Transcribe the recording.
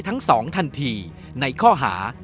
ทั้ง๒ทันทีในข้อหา